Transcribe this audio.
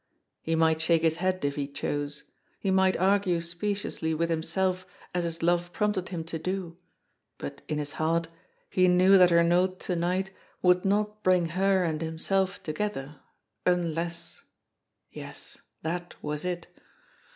He might shake his head if he chose, he might argue speciously with himself as his love prompted him to do, but in his heart he knew that her note to night would not bring her and himself together un less yes, that was it!